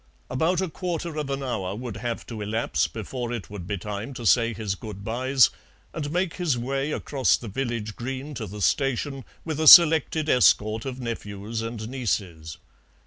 About a quarter of an hour would have to elapse before it would be time to say his good byes and make his way across the village green to the station, with a selected escort of nephews and nieces.